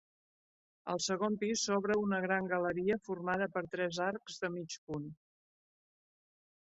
Al segon pis s'obre una gran galeria formada per tres arcs de mig punt.